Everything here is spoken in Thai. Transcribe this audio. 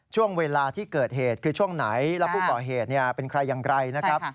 ช่วงเวลาที่เกิดเหตุคือช่วงไหนแล้วผู้ก่อเหตุเป็นใครอย่างไรนะครับ